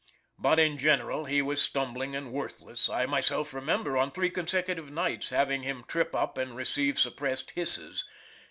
But, in general, he was stumbling and worthless I myself remember, on three consecutive nights, hearing him trip up and receive suppressed hisses.